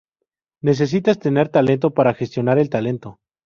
Necesitas tener talento para gestionar el talento.